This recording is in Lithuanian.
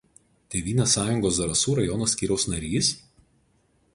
Tėvynės sąjungos Zarasų rajono skyriaus narys.